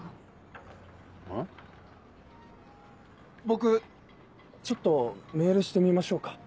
僕ちょっとメールしてみましょうか。